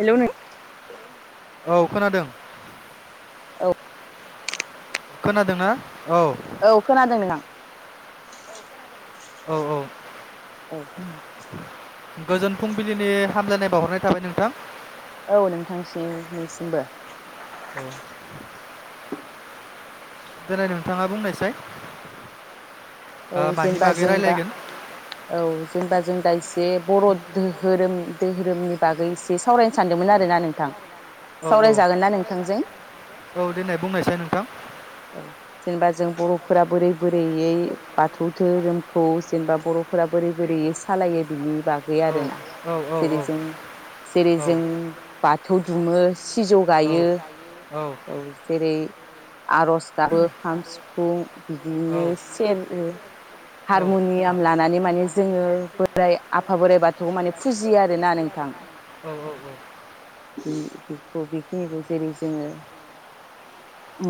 हेलेव औ खोनादों औ खोनादोंना? औ औ खोनादों नोंथां औ औ औ [inaudible] गोजोन फुंबिलिनि हामलायनाय बावहरनाय थाबाय नोंथां औ नोंथांसिनिसिमबो औ देलाय नोंथाङा बुंनायसाय ओ औ मानि जेनेबा बागै जों दा रायलायगोन औ जेनेबा जों दा एसे बर दोहोरोम दोहोरोमनि बागै एसे सावरायनो सानदोंमोन आरोना नोंथां औ औ सावरायजागोन ना नोंथांजों औ देनाय बुंनायसाय नोंथां औ जेनेबा जों बर'फोरा बोरै बोरैयै बाथौ धोरोमखौ जेनेबा बर'फोरा बोरै बोरैयै सालायो बिनि बागै औ आरोना औ औ जेरै जों जेरै जों बाथौ दुमो सिजौ गायो औ जेरै आरज गाबो खाम सिफुं बिदिनो औ सेर ओ हारमुनियाम लानानै माने जोङो बोराइ आफा बोराइ बाथौ माने फुजियो आरोना नोंथां जेरै बाथौ दुमो सिजौ गायो गय गायो फाथै बेफोरबायदि हारमुनियाम लानानै माने जोङो बोराइ आफा बोराइ बाथौखौ जों फुजियो आरोना नोंथां जेरै जोंनि बर' धोरोमा बेखौ बेखिनिखौ जेरै जोङो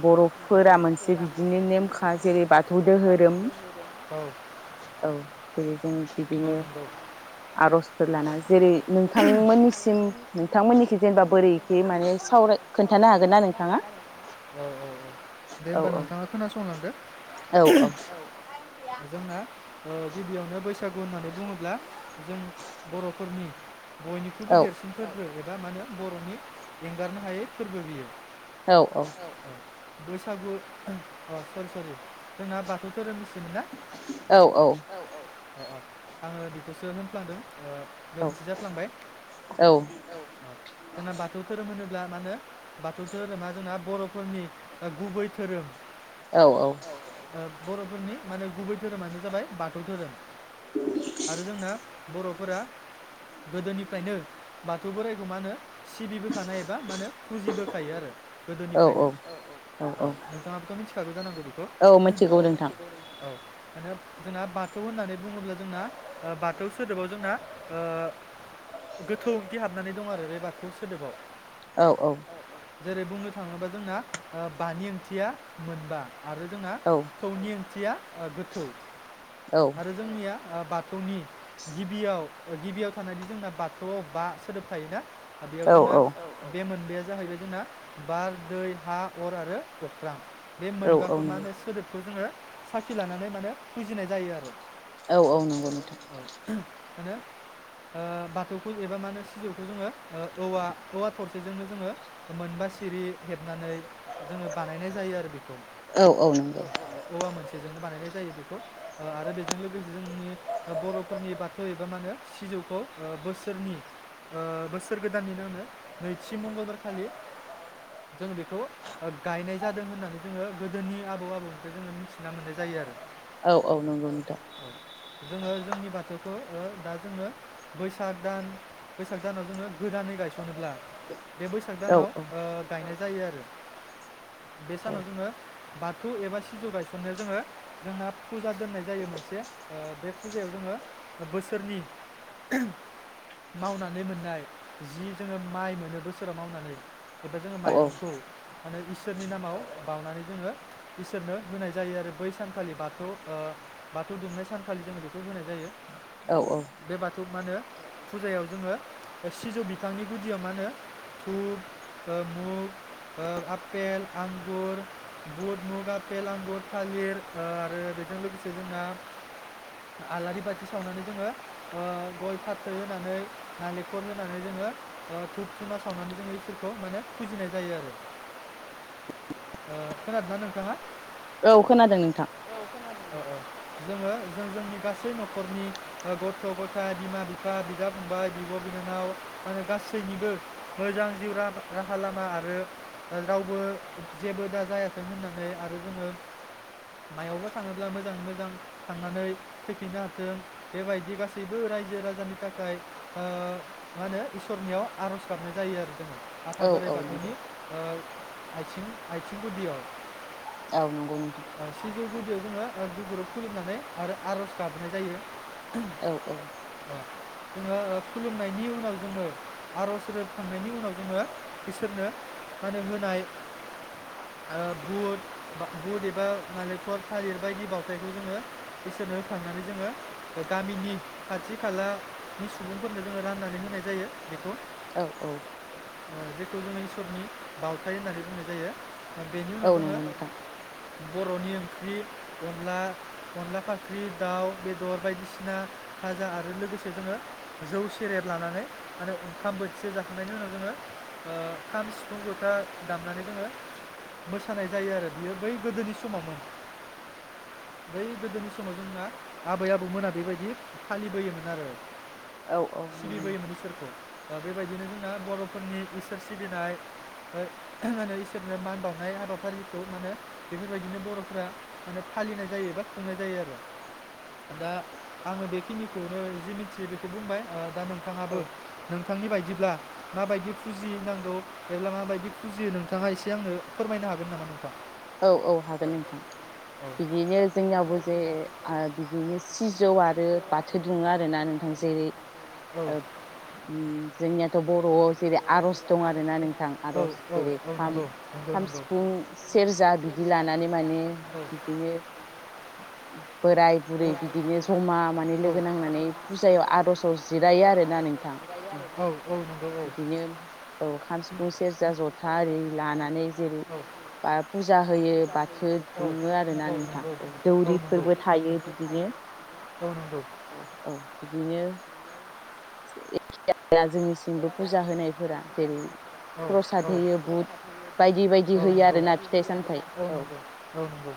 बर'फोरा मोनसे बिदिनो मोनसे नेमखा बिदिनो जेरै बाथौ नेमखा दोहोरोम जेरै बाथौ दोहोरोम औ जेरै जों औ बिदिनो नंगौ आरजफोर लाना आर'ज जेरै खालामनानै नोंथांमोननिसिम नोंथांमोननिखै जेनेबा नोंथांमोननिसिम बोरैखि माने नोंथांमोननिथिं सावराय खोन्थानो हागोन ना नोंथाङा? जेनेबा बोरै एसे माने सावराय खोन्थानो हागोन ना नोंथाङा? औ दे होमबा नोंथाङा खोनासंलांदो औ-औ नो बैसागु होननानै बुङोब्ला जों बरफोरनि बयनिख्रुयबो औ देरसिन फोरबो बे दा माने बर'नि एंगारनो हायै फोरबो बियो। औ औ। बैसागु अ सरि सरि जोंना बाथौ धोरोम औ औ। अ अ आङो बिखौसो होनफ्लांदों। ओ गोरोन्थि जाफ्लांबाय जोंना बाथौ धोरोम होनोब ब्ला मा होनो बाथौ धोरोमा जोंना बरफोरनि गुबै धोरोम। औ औ। बर'फोरनि माने गुबै धोरोमानो जाबाय बाथौ धोरोम। आरो जोंना बर' फोरा गोदोनिफ्रायनो बाथौ बोराइखौ मा होनो सिबिबोखानाय एबा मानो फुजिबोखायो आरो औ गोदोनिफ्रायनो औ औ औ ओ नोंथाङाबोथ मिथिखागौ जानांगौ बेखौ? औ मिथिगौ नोंथां आरो जोंना बाथौ होननानै बुङोब्ला जोंना ओ बाथौ सोदोबाव जोंना ओ गोथौ ओंथि हाबनानै दं आरो बे बाथौ सोदोबाव। औ औ जेरै बुंनो थाङोबा जोंना ओ बानि ओंथिया मोनबा आरो जोंना औ थौनि ओंथिया ओ गोथौ आरो जोंनिया ओ बाथौनि गिबियाव गिबियाव थानायनि जोंना बाथौआव बा सोदोब थायोना बेयाव जोंना औ बे मोनबाया जाहैबाय जोंना बार, दै, हा, अर आरो अख्रां। बे औ औ मोनबाखौ मा नंगौ होनो सोदोबखौ जोङो साखि लानानै मानो फुजिनाय जायो आरो औ औ नंगौ नोंथां। आरो ओ बाथौखौ एबा मा होनो सिजौखौ जोङो ओ औवा औवा थरसेजोंनो जोङो मोनबा सिरि हेब नानै जोङो बानायनाय जायो आरो बेखौ औ औ नंगौ औवा मोनसेजोंनो बानायनाय जायो जायो बेखौ ओ आरो बे बेजों लोगोसे जोंनि ओ बरफोरनि बाथौ एबा मा होनो सिजौखौ ओ बोसोरनि ओ बोसोर गोदाननिनो मो नैथि मंगलबारखालि जों बेखौ गायनाय जादों होननानै जोङो गोदोनि आबौ आबौनिफ्राय जोङो मिथिना मोननाय जायो आरो। औ। औ नांगौ नोंथां। औ जोङो जोंनि बाथौखो ओ दा जोङो बैसाग दान बैसाग दानाव जोङो गोदानै गायसनोब्ला बे बैसाग औ दानाव औ ओ गायनाय जायो आरो बे औ सानाव जोङो बाथौ एबा सिजौ गायसननायाव जोङो जोंना फुजा दोननाय जायो मोनसे ओ बे फुजायाव जोङो बोसोरनि मावनानै मोननाय जि जोङो माइ मोनो बोसोराव मावनानै एबा जोङो औ माइरंखौ माने इसोरनि नामाव बाउनानै जोङो इसोरनो होनाय जायो आरो बै सानखालि बाथौ ओ बाथौ दुमनाय सानखालि जोङो बेखौ होनाय जायो। औ औ खौ मा होनो फुजायाव जोङो सिजौ बिफांनि गुदियाव मा होनो धुप, ओ मुग, ओ आपेल, आंगुर, बुद, मुग, आपेल, आंगुर, थालिर, ओ आरो बेजों लोगोसे फोजोंना आलारि बाथि सावनानै जोङो ओ गय फाथै होनानै नालेखल होनानै जोङो ओ धुप खमा सावनानै जोङो इसोरखौ माने फुजिनाय जायो आरो। ओ खोनादोंना नोंथाङा? औ खोनादों नोंथां। औ ओ खोनादों ओ जोङो जो-जों जोंनि गासै न'खरनि ओ गथ' ग'थाय, बिमा बिफा, बिदा फंबाय, बिब' बिनानाव माने गासैनिबो मोजां जिउ रा-राहा लामा आरो रावबो जेबो दा जायाथों होननानै आरो जोङो मायावबा थाङोब्ला मोजाङै मोजां थांनानै फैफिननो हाथों बेबायदि गासैबो रायजो राजानि थाखाय ओ मा होनो इसरनियाव आर'ज गाबनाय जायो आरो। आफा औ औ बोराइ नंगौ बाथौनि ओ आइथिं आइथिं गुदिआव औ नंगौ नोंथां। सिजौ गुदियाव जोङो ओ गुगुरुब खुलुमनानै आरो आर'ज गाबनाय जायो। औ औ ओ जोङो ओ खुलुमनायनि उनाव जोङो आर'ज रोबखांनायनि उनाव जोङो इसोरनो मा होनो होनाय ओ बुट बा बुट एबा नालेखर थालिर बायदि बाउथायखौ जोङो इसोरनो होखांनानै जोङो गामिनि खाथि खालानि सु सुबुंफोरनो जोङो राननानै होनाय जायो बेखौ औ औ ओ जेखौ जोङो इसरनि बाउथाइ होननानै बुंनाय जायो। ओ बेनि औ उनाव जोङो नंगौ नोंथां बर'नि ओं ख्रि अनला अनला फाख्रि दाउ बेदर बायदिसिना भाजा आरो लोगोसे जोङो जौ सेरेब लानानै माने ओंखाम बोथिसे जाखांनायनि उनाव जोङो ओ खाम, सिफुं, ज'था दामनानै जोङो मोसानाय जायो आरो बियो बै गोदोनि समावमोन। बै गोदोनि समाव जोंहा आबै आबौमोना बेबायदि फालिबोयोमोन आरो। औ औ नंगौ नोंथां। सिबिबोयोमोन इसोरखौ ओ बेबायदिनो जोंना बर'फोरनि इसोर सिबिनाय ओ इसोरनो मान बाउनाय हाबाफारिखौ माहोनो बेफोरबायदिनो बर' फोरा माने फालिनाय जायो बा खुंनाय जायो आरो। दा आङो बेखिनिखौनो जि मिथियो बेखौ बुंबाय ओ दा औ नोंथाङाबो नों नोंथांनि बायदिब्ला माबायदि फुजिनांगौ एब्ला माबायदि फुजियो नोंथाङा एसे आंनो फोरमायनो हागोन नामा नोंथां? औ औ हागोन। गोन नोंथां औ बे बिदिनो जोंनियावबो जे बैसागुखौ बिदिनो आ बि बिदिनो सिजौ आरो सिजौ बाथो आरो दुङो आरो बाथौ ना दुमो नोंथां जेरै आरोना नोंथां औ ओब ओम जोंनि गोदो जेरै जोंनियाथ' बर'आव जेरै आर'ज दं आर'ज आरोना नोंथां खननाय औ आर'ज औ जेरै औ खाम, नंगौ नंगौ खाम नंगौ सिफुं से बिदिनो सेरजा बिदि सेरजा लानानै माने माने बिदिनो बोराइ-बुरि बोराय बुरै बिदिनो बिदि माने ज'मा माने लोगो नांनानै फुजायाव आर'जाव जिरायो फुजायाव आरोना आर'जखौ नोंथां जिरायो ओम आरोना इसोरफोरखौ गायो बिदिनो औ खाम, सिफुं, सेरजा, ज'था आरि लानानै जेरै औ बा फुजा होयो बाथो दुङो आरोना नोंथां बिदिनो औ दै रिफोरबो दौरिफोरबो बिदिनो थायो बिदिनो औ नंगौ बिदिनो औ औ। बिदिनो [unintelligible] जोंनि फुजा होनायफोरा जेरै औ प्रसाद होयो बुट प्रसाद होयो बायदि बायदि बुट औ होयो नंगौ आरो फिथाइ सामथाय औ नंगौ औ नंगौ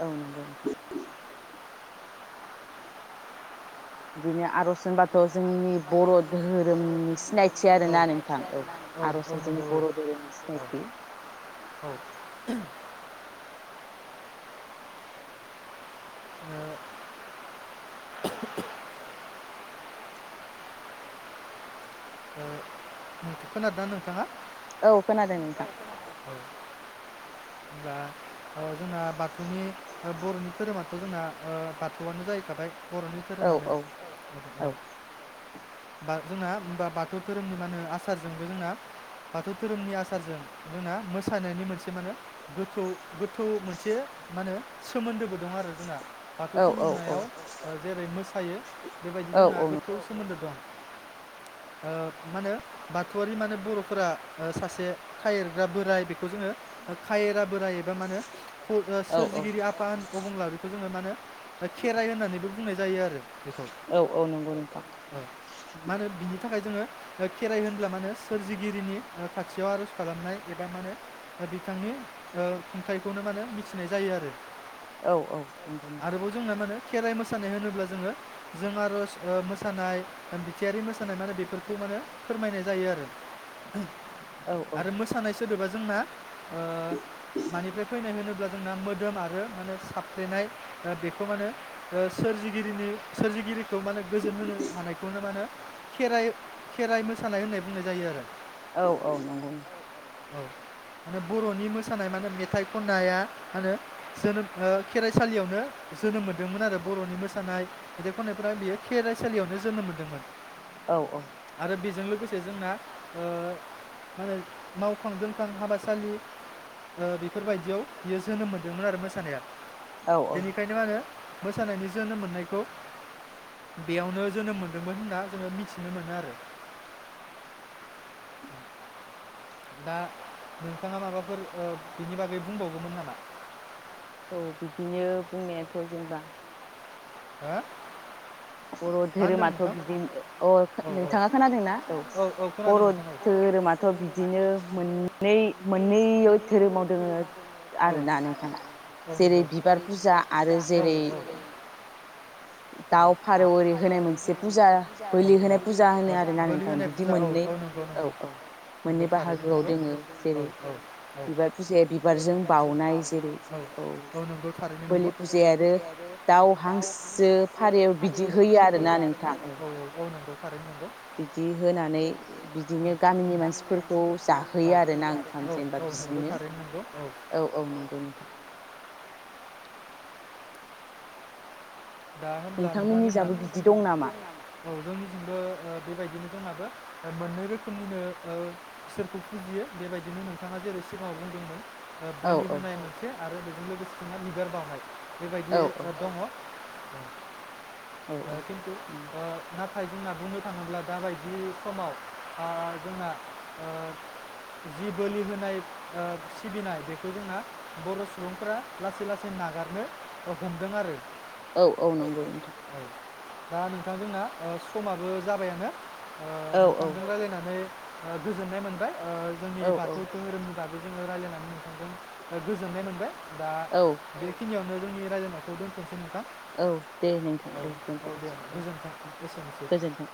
औ नंगौ नोंथां बिदिनो आरज होनबाथ बिदिनो आर'ज जोंनि बर' होनबाथाय जोंनि बर' धोरोमनि सिनायथि आरोना नोंथां सिनायथि औ आरोना औ आरजआ नंगौ जोंनि बर' धोरोमनि औ सिनायथि। औ [unintelligible] ओ खोनादोंना नोंथाङा? औ खोनादों नोंथां दा ओ जोंना बाथौनि ओ बर'नि धोरोमाथ जोंना ओ बाथौआनो जाहैखाबाय। बर'नि धोरोमानो औ बा जोंना होम्बा बाथौ धोरोमनि मा होनो आसारजोंबो जोंना बाथौ धोरोमनि आसारजों जोंना मोसानायनि मोनसे मा होनो गोथौ गोथौ मोनसे मा होनो सोमोन्दोबो दं आरो जोंना। बाथौ औ औ औ खुलुमनायाव जेरै मोस सायो। बेबायदि जोंना गोथौ सोमोन्दो दं। ओ मा होनो बाथौआरि माने बर'फोरा ओ सासे खायेर बोराय बेखौ जोङो खायरा बोराइ एबा मा होनो फ ओ औ औ सोरजिगिरि आफा अबंलावरि बेखौ जोङो मा होनो खेराइ होननानैबो बुंनाय जायो आरो बेखौ औ औ नंगौ नोंथां औ मा होनो बिनि नि थाखाय जोङो खेराइ होनब्ला माने सोरजिगिरिनि ओ खाथियाव आरज खालामनाय एबा माने बिथांनि ओ खुंथायाइखौनो मा होनो मिथिनाय जायो आरो। औ औ नंगौ नोंथां। आरोबाव जोंना मा होनो खेराइ मोसानाय होनोब्ला जोङो जों आरज ओ मोसानाय बिथायारि मोस होनाय माने बेफोरखौ मा नो फोरमायनाय जायो आरो औ औ आरो मोसानाय सोदोबा जोंना ओ मानिफ्राय फैनाय होनोब्ला जोंना मोदोम आरो माने साफ्लेनाय बेखौ मा नो सोरजिगिरिनि सोरजिगिरिखौ माने गोजोन होनो हानायखौनो मा होनो खेराइ खेराइ मोसानाय होननाय बुंनाय जायो आरो। औ औ नंगौ नोंथां। औ माने बर'नि मोसानाय मा होनो मेथाइ खननाया माहोनो जोनोम ओ खेराइसालियावनो जोनोम मोन्दोंमोन आरो बर'नि मोसानाय मेथाइ खननायफोरा बियो खेराइसालियावनो जोनोम मोन्दोंमोन। औ औ आरो बेजोंलो लोगोसे जोंना ओ मानो मावखां दोंखां हाबासालि ओ बेफोरबायदियाव बियो जोनोम मोन्दोंमोन आरो मोसानाया। औ औ बेनिखायनो आरो मोसानायनि जोनोम मोननायखौ बेयावनो जोनोम मोन्दोंमोन होनना जोङो मि मिथिनो मोनो आरो। दा नोंथाङा माबाफोर ओ बिनि बागै बुंबावगौमोन नामा? औ बिदिनो बुंनायाथ जेनेबा हा? बर धोरोमाथ बिदिनो अ औ औ नोंथाङा खोनादोंनाा औ नोंथाङा बर खोनादों औ ना? औ खोनादों नोंथां औ धोरोमाथ बिदिनो बिदिनो मोननै मोननै मोननैबो धोरोमाव दोङो दङ औ आरोना नोंथाङा नोंथां औ जेरै नंगौ बिबार फुजा आरो औ जेरै आरो औ जेरै दाउ ओरै फारौ होनाय मोनसे फुजा बोलि होनाय फुजा होनो आरोना [unintelligible] बोलि नोंथां होनाय बिदि फुजा औ मोननै औ नंगौ औ नंगौ औ नगौ मोननै थारैनो बाहागोआव नंगौ दोङो औ जेरै औ बिबार फुजाया बिबारजों बाउनाय जेरै औ नंगौ [inaudible] थारैनो नंगौ बोलि फुजाया आरो फुायाब दाउ हांसो फारेव फारौ होयो बिदि होैयो आरोना नोंथां आ औ औ नोंगौ। आरो नो बिदि होनानै बिदिनो गामिनि मानसिफोरखौ जाहोयो आरोना ओंखाम जेनेबा बिजोंनो औ औ नंगौ नोंथां। दा हब्ला नोंथां नोंथांमोननि मोनना जाबो बिदि दं नामा औ जोंनिसिमबो बेबायदिनो जोंहाबो मोननै रोखोमनिनो ओ इसोरखौ फुजियो बेबायदिनो नोंथाङा जेरै सिगाङाव बुंदोंमोन। औ बोलि औ होनाय मोनसे आरो लोगोसे बिबार बावाय औ बेबायदि औ ओ दङ। औ [inaudible] ओ खिन्थु औ ओ नाथाय जोंना बुंनो थाङोब्ला दाबायदि समाव ओ जोंना ओ जि बोलि होनाय ओ सिबिनाय बेखौ जोंहा बर सुबुंफोरा लासै लासै नागारनो हमदों आरो। औ औ नंगौ नोंथां। दा नोंथांजोंना समाबो जाबायानो ओ औ औ नोंथांजों रायज्लायनानै ओ गोजोननाय मोनबाय ओ जोंनि औ औ बाथौ धोहोरोमनि बागै जोङो रायज्लायनानै नोंथांजों गोजोननाय मोनबाय दा औ बेखिनियावनो जोंनि रायनायखौ दोनथनोसै नोथां। औ दे नोंथां दे नोंथां दे दोनथजासै औ गोजोन्थों औ एसेनोसै गोजोन्थों।